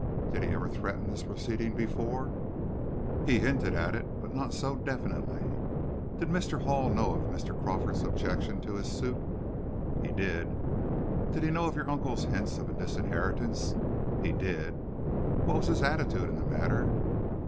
"Did he ever threaten this proceeding before?" "He had hinted it, but not so definitely." "Did Mr. Hall know of Mr. Crawford's objection to his suit?" "He did." "Did he know of your uncle's hints of disinheritance?" "He did." "What was his attitude in the matter?"